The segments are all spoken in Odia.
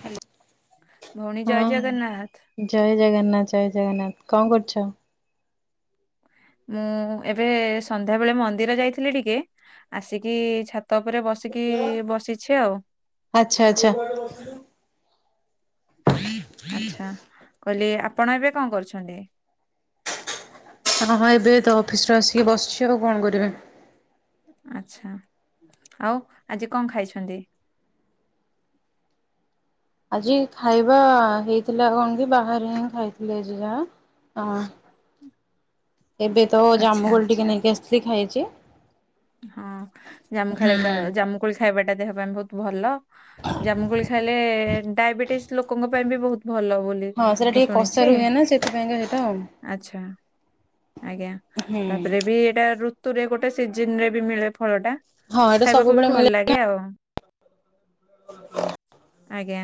ହ୍ୟାଲୋ ଭଉଣୀ ଜୟ ହଁ ଜଗନ୍ନାଥ ଜୟ ଜଗନ୍ନାଥ ଜୟ ଜଗନ୍ନାଥ। କଣ କରୁଚ? ମୁଁ ଏବେ ସନ୍ଧ୍ୟାବେଳେ ମନ୍ଦିର ଯାଇଥିଲି ଟିକେ ଆସିକି ଛାତ ଉପରେ ବସିକି ବସିଚି ଆଉ। ଆଚ୍ଛା ଆଚ୍ଛା ଆଚ୍ଛା। କହିଲେ ଆପଣ ଏବେ କଣ କରୁଛନ୍ତି? ହଁ ହଁ ଏବେ ତ ଅଫିସରୁ ଆସିକି ବସିଛି ଆଉ କଣ କରିବି। ଆଚ୍ଛା। ଆଉଁ ଆଜି କଣ ଖାଇଛନ୍ତି? ହଁ ଆଜି ଖାଇବା ହେଇ ଆଃ। ଏବେ ତ ଆଚ୍ଛା ଜାମୁ କୋଳି ଟିକେ ନେଇକି ଆସିଥିଲି ଖାଇଛି। ହଁ ଜାମୁ ଖାଇଲେ ହୁଁ। ଖା ଜାମୁ କୋଳି ଖାଇବା ଟା ଦେହ ପାଇଁ ବହୁତ ଭଲ। ଜାମୁ କୋଳି ଖାଇଲେ ଡାଏବେଟିଶି ଲୋକଙ୍କ ପାଇଁ ବି ବହୁତ ଭଲ ବୋଲି ହଁ ସେଇଟା ମୁଁ ଟିକେ କଷା ଶୁଣିଛି ରୁହେ ନା ସେଥିପାଇଁକା ସେଇଟା ଆଉ ଆଚ୍ଛା। ଆଜ୍ଞା ହୁଁ ତାପରେ ବି ଏଇଟା ଋତୁରେ ଗୋଟେ ସିଜିନ୍ ରେ ବି ମିଳେ। ଫଳଟା ହଁ ଏଇଟା ଖାଇବାକୁ ସବୁବେଳେ ବି ମିଳେ। ଭଲଲାଗେ ଆଉ। ଓଁ ରେଫ ଆଜ୍ଞା।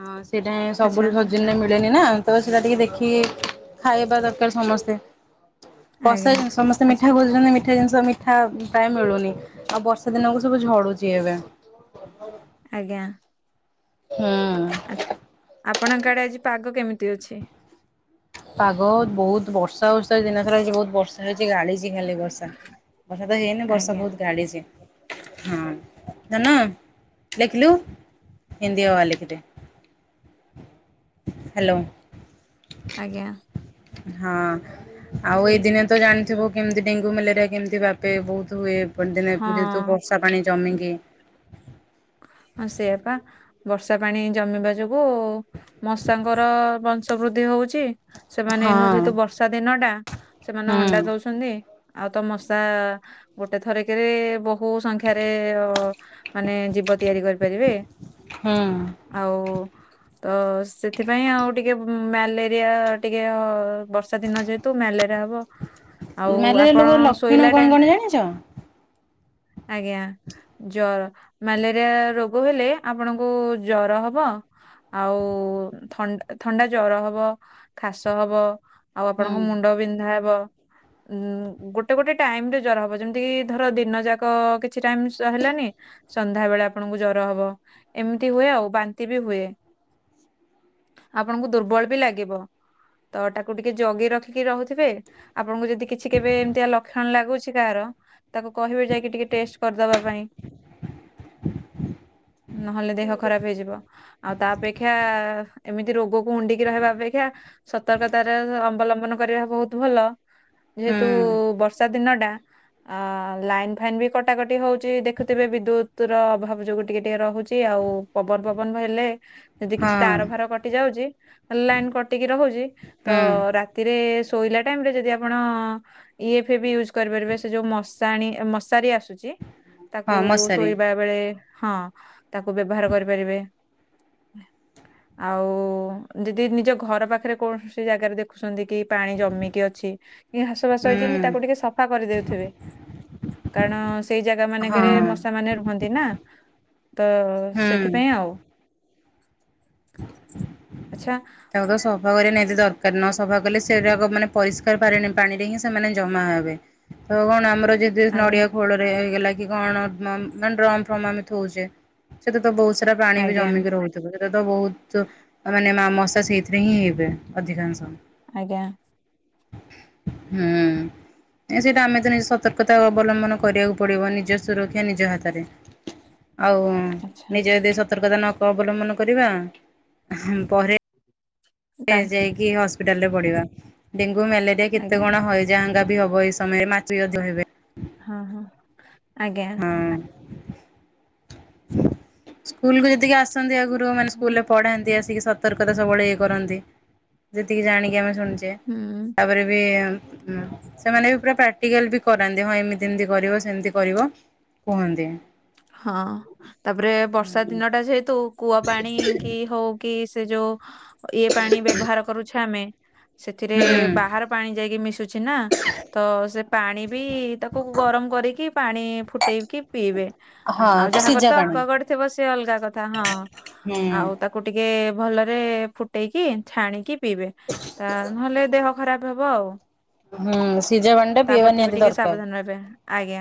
ହୁଁ ସେଟା ଆଚ୍ଛା ସବୁଲ ସିଜିନରେ ମିଳେନି ନା। ତ ସେଟା ଟିକେ ଦେଖିକି ଖାଇବା ଦରକାର ସମସ୍ତେ। ଆଜ୍ଞା କସା ଜିନିଷ ସମସ୍ତେ ଆଚ୍ଛା ମିଠା ଖୋଜୁଚନ୍ତି ମି ମିଠା ଜିନିଷ ମିଠା ପ୍ରାୟ ମିଳୁନି ଆଉ ବର୍ଷାଦିନକୁ ସବୁ ଝଡୁଚି ଏବେ। ଆଜ୍ଞା। ଆ ହୁଁ। ଆପଣଙ୍କ ଆଡେ ଆଜି ପାଗ କେମିତି ଅଛି? ପାଗ ବହୁତ ବର୍ଷା ହେଉଛି ଆଜି ଦିନସାରା ବହୁତ ବ ଛି ଗାଳିଛି ଖାଲି ବର୍ଷା ବର୍ଷାତ ହେଇନି ବର୍ଷା ଆଜ୍ଞା ବହୁତ ଢାଳିଛି। ହଁ ଧନ ଲେଖିଲୁ। ହିନ୍ଦି ଅ ଆ ଲେଖିଦେ। ହେଲୋ। ଆଜ୍ଞା। ହଁ ଆଉ ଏଦିନେ ତ ଜାଣିଥିବୁ କେମିତି ଡେଙ୍ଗୁ ମ୍ୟାଲେରିଆ କେମିତି ବ୍ୟାପେ ବୋହୁତ ହୁଏ। ଗୋଟେଦିନେ ହଁ ଯେହେତୁ ବର୍ଷା ପାଣି ଜମିକି। ଅଁ ସେଇପା ବର୍ଷା ପାଣି ଜମିବା ଯୋଗୁଁ ସବୁ ମଶାଙ୍କର ବଂଶ ବୃଦ୍ଧି ହଉଛି। ସେମାନେ ହଁ ଏଇନୁ ଯେହେତୁ ବର୍ଷା ଦିନଟା ସେମାନେ ହୁଁ। ଅଣ୍ଡା ଦଉଛନ୍ତି। ଆଉ ତ ମଶା ଗୋଟେ ଥରେକେ କେରେ ବହୁ ବହୁ ସଂଖ୍ୟାରେ ଓଁ ମାନେ ଯି ଭୋଗ ତିଆରି କରିପାରିବେ ହୁଁ ଆଉ ତ ସେଥିପାଇଁ ଆଉ ଟିକେ ମ୍ୟାଲେରିଆ ଟିକେ ଅ ବର୍ଷା ଦିନ ଯେହେତୁ ମ୍ୟାଲେରିଆ ହବ। ଆଉ ମ୍ୟାଲେରିଆ ଆପଣ ରୋଗର ଲକ୍ଷଣ ଶୋଇଲା କଣ ଟାଇମ କଣ ଜାଣିଛ? ଆଜ୍ଞା ଜ ମ୍ୟାଲେରିଆ ରୋଗ ହେଲେ ଆପଣଙ୍କୁ ଜର ହବ। ଆଉ ଥ ଥଣ୍ଡା ଜର ହବ ଖାସ ହବ। ଆଉ ହୁଁ ଆପଣଙ୍କ ମୁଣ୍ଡ ବିନ୍ଧା ହବ। ଉଁ ଗୋଟେ ଗୋଟେ ଟାଇମରେ ଜର ହବ ଯେମିତିକି ଧର ଦିନ ଯାକ କିଛି ଟାଇମ ହେଲାନି ସନ୍ଧ୍ୟା ବେଳେ ଆପଣଙ୍କୁ ଜର ହବ ଏମିତି ହୁଏ ଆଉ ବାନ୍ତି ବି ହୁଏ। ଆପଣଙ୍କୁ ଦୁର୍ବଳ ବି ଲାଗିବ। ତ ତାକୁ ଟିକେ ଜଗି ରଖିକି ରହୁଥିବେ ଆପଣଙ୍କୁ ଯଦି କିଛି କେବେ ଏମିତିଆ ଲକ୍ଷଣ ଲାଗୁଛି କାହାର ତାକୁ କହିବେ ଯାଇକି ଟିକେ ଟେଷ୍ଟ କରିଦବା ପାଇଁ। ନହେଲେ ଦେହ ଖରାପ ହେଇଯିବ ଆଉ ତା ଅପେକ୍ଷା ଏମିତି ରୋଗକୁ ଉଣ୍ଡିକି ରହିବା ଅପେକ୍ଷା ସତର୍କତାର ଅବଲମ୍ବନ କରିବା ବହୁତ ଭଲ। ଯେହେତୁ ହୁଁ ବର୍ଷା ଦିନଟା। ଅ ଲାଇନ୍ ଫାଇନ୍ ବି କଟାକଟି ହଉଛି ଦେଖୁଥିବେ ବିଦ୍ୟୁତ। ଋତୁର ଅଭାବ ଯୋଗୁ ଟିକେ ଟିକେ ରହୁଛି ଆଉ ପବନ ଫବନ ହେଲେ ଯଦି କିଛି ହଁ ତାର ଫାର କଟି ଯାଉଛି ଲାଇନ କଟିକି ରହୁଛି ତ ହୁଁ ରାତିରେ ସୋ ଶୋଇଲା ଟାଇମରେ ଯଦି ଆପଣ ଇଏ ଫିଏ ବି ୟୁଜ କରିପାରିବେ ସେ ଯୋଉ ମଶାଣି ମଶାରୀ ଆ ରୁଚି ତାକୁ ହଁ ମଶାରୀ ଶୋଇବା ବେଳେ ହଁ ତାକୁ ବ୍ୟବହାର କରିପାରିବେ ଆଉ ଯଦି ନିଜ ଘର ପାଖରେ କୌଣସି ଜାଗାରେ ଦେଖୁଛନ୍ତି କି ପାଣି ଜମିକି ଅଛି କି ଘାସ ବାସ ହୁଁ ହେଇଛି ତାକୁ ଟିକେ ସଫା କରିଦଉଥିବେ। କାରଣ ସେଇ ଜାଗା ହଁ ମାନଙ୍କରେ ମଶା ମାନେ ରୁହନ୍ତି ନା ତ ହୁଁ। ସେଥିପାଇଁ ଆଉ [unintelligible] ଆଚ୍ଛା ତାକୁ ତ ସଫା କରି ନେଇ ଦରକାର ନ ସଫା କଲେ ସେଇରାକ ମାନେ ପରିଷ୍କାର ପାରେନି ପାଣିରେ ହିଁ ସେମାନେ ଜମା ହବେ ତ କଣ ଆମର ଯୋଉ ଆଜ୍ଞା ନଡିଆ ଖୋଳ ରେ ହେଇଗଲକି କି କଣ ଡ୍ର ମାନେ ଡ୍ରମ୍ ଫମ୍ ଆମେ ଥଉଚେ ସେଥିରେ ତ ବହୁତ ସାରା ପାଣି ବି ଆଜ୍ଞା ଜମିକି ରହୁଥିବ ସେ ତ ବହୁତ ମାନେ ମ ମସା ସେଇଥିରେ ହିଁ ହେବେ ଅଧିକାଂଶ ଆଜ୍ଞା। ହୁଁ। ସେଇଟା ଆମେ ତ ନିଜ ସତର୍କତା ଅବଲମ୍ବନ କରିବାକୁ ପଡିବ ନିଜ ସୁରକ୍ଷା ନିଜ ହାତରେ। [unintelligible] ଆଉ ଆଚ୍ଛା ନିଜେ ଯଦି ସତର୍କତା ନ କ ଅବଲମ୍ବନ କରିବା ପରେ ଏ ତା ଯାଇକି ହସ୍ପିଟାଲ ରେ ପଢିବା ଡେଙ୍ଗୁ ମ୍ୟାଲେରିଆ କେତେ ଆଜ୍ଞା କଣ ହଇଯାହାଙ୍ଗ ବି ହବ ଏଇ ସମୟରେ ମାଛି ବି ଅଧିକା ହେବେ ହଁ ହଁ। ଆଜ୍ଞା ହଁ। ସ୍କୁଲ କୁ ଯେତିକି ଆ ଆସନ୍ତି ଆଗରୁ ମାନେ ସ୍କୁଲ ରେ ପଢାନ୍ତି ଆସିକି ସତର୍କତା ସବୁବେଳେ ଇଏ କରନ୍ତି ଯେତିକି ଜାଣିକି ଆମେ ଶୁଣୁଚେ ହୁଁ ତାପରେ ବି ଉଁ ଉଁ ସେମାନେ ବି ପୁରା ପ୍ରାଟିସ ଟି ଏ ଲବି କରାନ୍ତି ହଁ ଏମିତି ଏମତି କରିବ ସେମତି କରିବ କୁହନ୍ତି। ହଁ ତାପରେ ବର୍ଷା ଦିନଟା ଯେହେତୁ କୂଅ ପାଣି କି ହଉ କି ସେ ଯୋଉ ଇଏ ପାଣି ବ୍ୟବହାର କରୁଛେ ଆମେ ସେଥିରେ ହୁଁ ବାହାର ପାଣି ଯାଇକି ମିଶୁଛି ନା ତ ସେ ପାଣି ବି ତାକୁ ଗରମ କରିକି ପାଣି ଫୁଟେଇକି ପିଇବେ। ହଁ ଆଉ ଯାହା ଘରେ ସିଝା ତ ପାଣି ଅକ୍ୱାଗାଡ଼ ଥିବ ସେଏ ଅଲଗା କଥା ହଁ ହୁଁ। ଆଉ ତାକୁ ଟିକେ ରେ ଭଲରେ ଫୁଟେଇକି ଛାଣିକି ପିଇବେ ତା ନହେଲେ ଦେହ ଖରାପ ହବ ଆଉ ହୁଁ ସିଜା ପାଣିଟା ତା ପିବା ପ୍ରତି ବି ନିହାତି ଟିକେ ଦରକାର। ସାବଧାନ ରହିବେ ଆଜ୍ଞା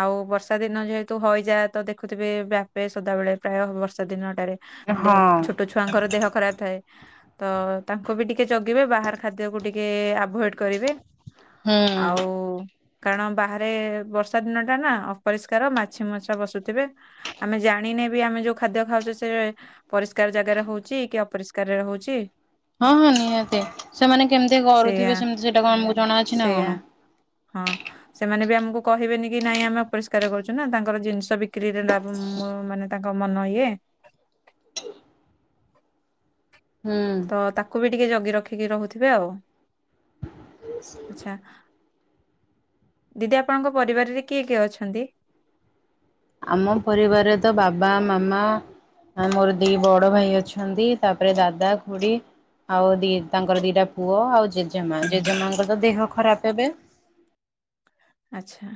ଆଉ ବର୍ଷା ଦିନ ଯେହେତୁ ତୁ ହଇଯା ତ ଦେଖୁଥିବେ ବ୍ୟାପେ ସଦାବେଳେ ପ୍ରାୟ ବର୍ଷା ଦିନ ଟାରେ ହଁ। ଦେହ ଛୋଟ ଛୁଆଙ୍କର ଦେହ ଖରାପ ଥାଏ। ତ ତାଙ୍କୁ ବି ଟିକେ ଜଗିବେ ବାହାର ଖାଦ୍ୟକୁ ଟିକେ ଆଭଏଡ କରିବେ ଆଉ ହୁଁ କାରଣ ବାହାରେ ବର୍ଷା ଦିନ ଟା ନା ଅପରିଷ୍କାର ମାଛ ମାଛି ମୁଛା ବସୁଥିବେ ଆମେ ଜାଣିନେ ବି ଆମେ ଯୋଉ ଖାଦ୍ୟ ଖାଉଛେ ସେ ପରିଷ୍କାର ଜାଗାରେ ହଉଚି କି ଅପରିଷ୍କାରରେ ରହୁଚି ହଁ ହଁ ନିହାତି ସେମାନେ କେମିତି ସେଇଆ କରୁଥିବେ ସେମିତି ସେଇଟା କଣ ଆମକୁ ଜଣାଅଛି ନା ସେଇଆ କଣ ହଁ ସେମାନେ ବି ଆମକୁ କହିବେନି କି ନାଇଁ ଆମେ ଅପରିଷ୍କାର କରୁଚୁ ତାଙ୍କର ଜିନିଷ ବିକ୍ରିରେ ଲାଭ ଉ ମୁ ମାନେ ତାଙ୍କ ମନ ଇଏ ହ ହୁଁ। ତ ତାକୁ ବି ଟିକେ ଜଗି ରଖିକି ରହୁଥିବେ ଆଉ। ଆଚ୍ଛା। ଦିଦି ଆପଣଙ୍କ ପରିବାରରେ କିଏ କିଏ ଅଛନ୍ତି? ଆମ ପରିବାରରେ ତ ବାବା ମାମା ଆ ମୋର ଦି ବଡ ଭାଇ ଅଛନ୍ତି ତାପରେ ଦାଦା ଖୁଡି ଆଉ ଦି ତାଙ୍କର ଦିଟା ପୁଅ ଆଉ ଜେଜେମା ଜେଜେମାଙ୍କ ତ ଦେହ ଖରାପ ଏବେ ଆଚ୍ଛା।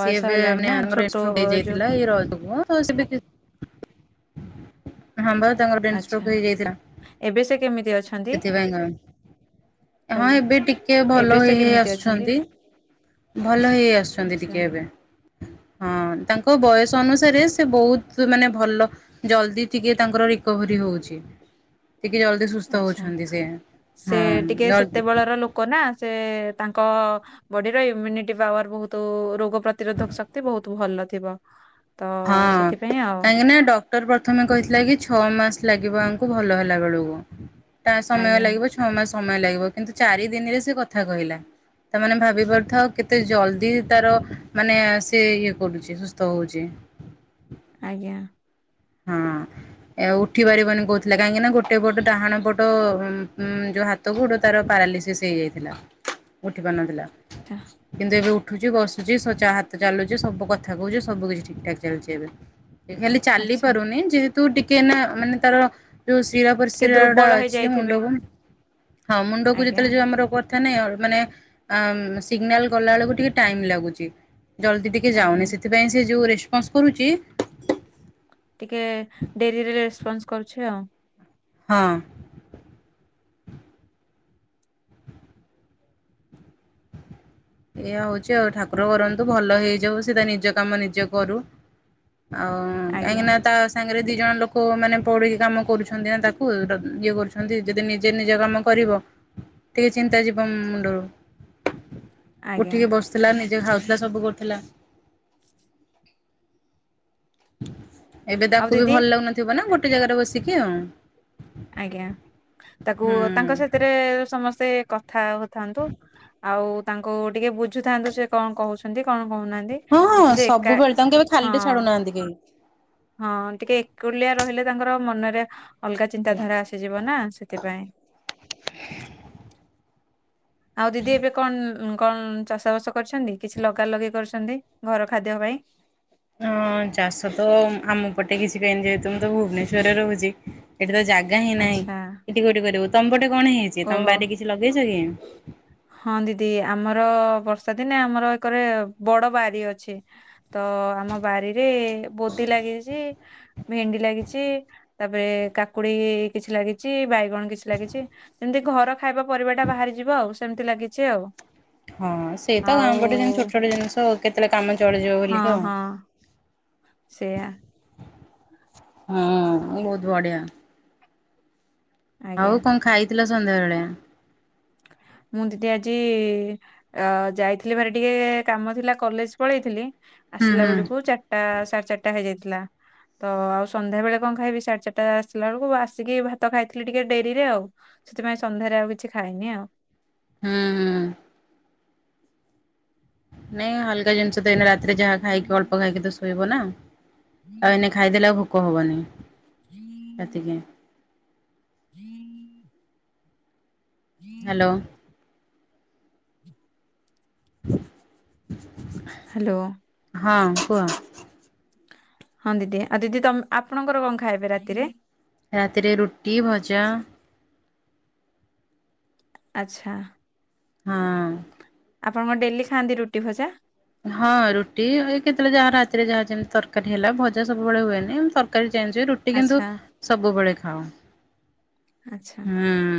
ସିଏ ଏବେ ହେଲାଣି ମାନେ ନା ଛୋଟ [unintelligible] ହେଇ ଯୋଉ ଯାଇଥିଲା ଏଇ ରଜକୁ ସେ ବି ହଁ, ବା ତାଙ୍କର ବ୍ରେନ୍ ଆଚ୍ଛା ସ୍ଟ୍ରୋକ୍ ହେଇଯାଇଥିଲା ଏବେ ସେ କେମିତି ଅଛନ୍ତି? ସେଥିପାଇଁଙ୍କା ହଁ, କହିଲି ଏବେ ଟିକେ ଏବେ ଭଲ ସେ ହେଇ ହେଇ କେମିତି ଅଛନ୍ତି? ଆସୁଛନ୍ତି। ଭଲ ହେଇ ଆସୁଛନ୍ତି ଆଚ୍ଛା ଟିକେ ଏବେ, ହଁ। ହଁ, ତାଙ୍କ ବୟସ ଅନୁସାରେ ସେ ବହୁତ ମାନେ ଭଲ ଜଲଦି ଟିକେ ତାଙ୍କର ରିକଭରି ହଉଛି। ହଁ ଟିକେ ଜଲଦି ସୁସ୍ଥ ହଉଛନ୍ତି ସିଏ। ସେ ଟିକେ ସେତେବେଳର ଲୋକ ନା ସେ ତାଙ୍କ ବଡିର ଇମ୍ୟୁନିଟି ପାୱାର ବହୁତ ରୋଗ ପ୍ରତିରୋଧକ ଶକ୍ତି ବହୁତ ଭଲ ଥିବ। ତ ହଁ, ସେଥିପାଇଁ ଆଉ କାହିଁକି ନା ଡକ୍ଟର ପ୍ରଥମେ କହିଥିଲା କି ଛଅ ମାସ ଲାଗିବ ଆ କୁ ଭଲ ହେଲା ବେଳକୁ ତା ସମୟ ଆଜ୍ଞା ଲାଗିବ ଛଅ ମାସ ସମୟ ଲାଗିବ କିନ୍ତୁ ଚାରି ଦିନରେ ସେ କଥା କହିଲା। ତା ମାନେ ଭାବି ପାରୁଥାଉ କେତେ ଜଲଦି ତାର ମାନେ ସେ ଇଏ କରୁଛି ସୁସ୍ଥ ହଉଛି। ଆଜ୍ଞା। ହଁ। ଏ ଆଉ ଉଠି ପାରିବନି କହୁଥିଲା କାହିଁକି ନା ଗୋଟେ ପଟ ଡାହାଣ ପଟ ଉ ଯୋଉ ହାତକୁ ଗୋଡ ତାର ପା ପାରାଲିସିସ ହେଇଯାଇଥିଲା, ଉଠି ପାରୁନଥିଲା ଆଛା କିନ୍ତୁ ଏବେ ଉଠୁଛି, ବସୁଛି, ସ ଚାହା ଚାଲୁଛି, ସବୁ କଥା କହୁଛି, ସବୁ କିଛି ଠିକ ଠାକ୍ ଚାଲିଛି ଏବେ। ଏ ଖାଲି ଚାଲି ଆଚ୍ଛା ପାରୁନି ଯେହେ ତୁ ଟିକେ ନା ମାନେ ତାର ଯୋଉ ସିର ଟିକେ ପ୍ରସିରର ଟା ଦୁର୍ବଳ ଅଛି ହେଇଯାଇଥିବେ। ମୁଣ୍ଡକୁ ହଁ, ମୁଣ୍ଡକୁ ଆଜ୍ଞା ଯେତେବେଳେ ଯୋଉ ଆମର କଥା ନାହିଁ ଅ ମାନେ ଅ ସିଗ୍ନାଲ ଗଲା ବେଳକୁ ଟିକେ ଟାଇମ ଲାଗୁଛି। ଜଲଦି ଟିକେ ଆଜ୍ଞା ଯାଉନି ସେଥିପାଇଁ ସିଏ ଯୋଉ ରେସପନ୍ସ କରୁଛି। ଟିକେ ଡେରିରେ ରେସପନ୍ସ କରୁଛି ଆଉ। ହଁ। ଏଇଆ ହଉଛି ଆଉ ଠାକୁର କରନ୍ତୁ ଭଲ ହେଇଯାଉ ସିଏ ତା ନିଜ କାମ ନିଜେ କରୁ। ଆଉ ଆଜ୍ଞା କାହିଁକିନା ତା ସାଙ୍ଗରେ ଦି ଜଣ ଲୋକ ମାନେ ପଡିକି କାମ କରୁଛନ୍ତି ନା ତାକୁ ଇଏ କରୁଛନ୍ତି ଯଦି ନିଜେ ନିଜ କାମ କରିବ ଟିକେ ଚି ନ୍ତା ଯିବ ମୁଣ୍ଡରୁ। ହ ଉଠିକି ବସୁଥିଲା ନିଜେ ଖାଉଥିଲା ସବୁ କରୁଥିଲା। ଏବେ ଆଉ ତାକୁ ବି ଦିଦି ଭଲ ଲାଗୁନଥିବ ନା ଗୋଟେ ଜାଗାରେ ବସିକି ଆଉ। ଆଜ୍ଞା, ତାକୁ ହୁଁ। ତାଙ୍କ ସାଥିରେ ସମସ୍ତେ କ ଥା ହଉଥାନ୍ତୁ ଆଉ ତାଙ୍କୁ ଟିକେ ବୁଝୁଥାନ୍ତୁ ସେ କ'ଣ କହୁଛନ୍ତି କ'ଣ ହଉନାହାନ୍ତି ହଁ ହଁ ଯଦି ସିଏ ଏକା ସବୁବେଳେ ତାଙ୍କୁ କେବେ ହଁ। ଖାଲିରେ ଛାଡୁନାହାନ୍ତି କେହି। ହଁ, ଟିକେ ଏକୁଟିଆ ରହିଲେ ତାଙ୍କର ମନରେ ଅଲଗା ଚିନ୍ତାଧାରା ଆସିଯିବ ନା ସେଥିପାଇଁ। ଆଉ ଦିଦି ଏବେ କ'ଣ କ'ଣ ଚାଷ ବାସ କରିଛନ୍ତି କିଛି ଲଗା ଲଗି କରୁଛନ୍ତି ଘର ଖାଦ୍ୟ ପାଇଁ? ହଁ, ଚାଷ ତ ଆମ ପଟେ କିଛି ବି ହେଇନି ଯେହେତୁ ମୁଁ ତ ଭୁବନେଶ୍ୱରରେ ରହୁଛି ଏଠି ତ ଜାଗା ହିଁ ନାହିଁ ଆଚ୍ଛା ଏଠି କୋଉଠି କରିବୁ ତମ ପଟେ କ'ଣ ହେଇଛି ତମ ଓହୋ ବାରିରେ କିଛି ଲଗେଇଛ କି? ହଁ, ଦିଦି ଆମର ବର୍ଷା ଦିନେ ଆମର ଏକରେ ବଡ ବାରି ଅଛି ତ ଅ ଆମ ବାରିରେ ବୋଦି ଲାଗିଛି, ଭେଣ୍ଡି ଲାଗିଛି, ତାପରେ କା କାକୁଡି କିଛି ଲାଗିଛି, ବାଇଗଣ କିଛି ଲାଗିଛି, ସେମିତି ଘର ଖାଇବା ପରିବା ଟା ବାହାରି ଯିବ ଆଉ। ସେମିତି ଲାଗିଛି ଆଉ। ହଁ, ସେ ତ ଗାଁ ଆଉ ପଟେ ଯେମିତି ଛୋଟ ଛୋଟ ଜିନିଷ କେତେବେଳେ କାମ ଚଳିଯିବ ବୋଲିକି ଆଉ। ସେଇଆ। ହଁ, ବହୁତ ବଢିଆ। ଆଜ୍ଞା। ଆଉ କ'ଣ ଖାଇଥିଲ ସନ୍ଧ୍ୟାବେଳେ? ଆ ମୁଁ ଦିଦି ଆଜି ଅ ଯାଇଥିଲି ଭାରି ଟିକେ କାମ ଥିଲା କଲେଜ୍ ପଳେଇଥିଲି। ହୁଁ ଆସିଲା ହୁଁ ବେଳୁକୁ ଚାରଟା ସାଢ଼େ ଚାରଟା ହେଇଯାଇଥିଲା। ତ ଆଉ ସନ୍ଧ୍ୟା ବେଳେ କଁ ଖାଇବି ସାଢ଼େ ଚାରଟା ଆସିଲା ଅଳୁକୁ ଆସିକି ଭାତ ଖାଇଥିଲି ଟିକେ ଡେରିରେ ଆଉ। ସେଥିପାଇଁ ସନ୍ଧ୍ୟାରେ ଆଉ କିଛି ଖାଇନି ଆଉ। ହୁଁ ହୁଁ। ନାଇଁ ହାଲକା ଜିନିଷ ତ ଏଇନା ରାତିରେ ଯାହା ଖାଇକି ଅଳ୍ପ ଖାଇକି ତ ଶୋଇବ ନାଁ। ଆଉ ଏନେ ଖାଇଦେଲେ ଆଉ ଭୋକ ହବନି। ରାତିକିଁ। ହୁଁ ହାଲୋ। ହାଲୋ। ହଁ କୁହ। ହଁ ଦିଦି ଆଉ ଦିଦି ତମ୍ ଆପଣଙ୍କର କଁ ଖାଇବେ ରାତିରେ? ରାତିରେ ରୁଟି ଭଜା। ଆଚ୍ଛା। ହଁ। ଆପଣ କଁ ଡେଲି ଖାଆନ୍ତି ରୁଟି ଭଜା? ହଁ ରୁଟି ଏଇ କେତୋଳେ ଯାହା ରାତିରେ ଯାହା ଯେମ୍ ତରକାରୀ ହେଲା ଭଜା ସବୁବେଳେ ହୁଏନି ଏମ୍ ତରକାରୀ ଚଞ୍ଜ୍ ହୁଏ ରୁଟି କିନ୍ତୁ ଆଚ୍ଛା ସବୁବେଳେ ଖାଉଁ ଆଚ୍ଛା ହୁଁ।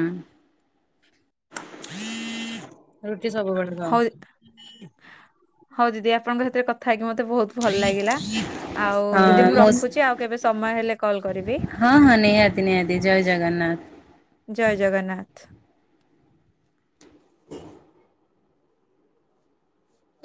ରୁଟି ସବୁ ବେଳେ ହଉ ଖାଅ? ହଉ ଦିଦି ଆପଣଙ୍କ ସାତିରେ କଥା ହେଇକି ମ ତେ ବୋହୁତ ଭଲ ଲାଗିଲା। ଆଉ ଦିଦି ହଁ ମୁଁ ମୋସ୍ ରଖୁଚି ଆଉ କେବେ ସମୟ ହେଲେ କଲ୍ କରିବି। ହଁ ହଁ ନିହାତି ନିହାତି ଜୟ ଜଗନ୍ନା ଜୟ ଜଗନ୍ନାଥ୍।